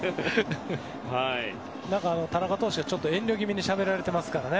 田中投手が、遠慮気味にしゃべられてますからね。